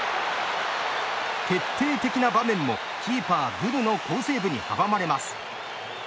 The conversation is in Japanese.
決定的な場面もキーパー、ブヌの好セーブに阻まれます。